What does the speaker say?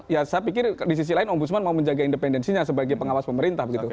ya saya pikir di sisi lain om busman mau menjaga independensinya sebagai pengawas pemerintah begitu